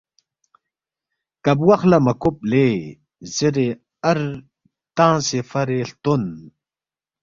کب وخلا مہ کوب لے.زیرے ار تنگسے فرے ہلتون